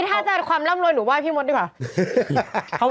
ถ้าจะความร่ำรวยหนูไห้พี่มดดีกว่า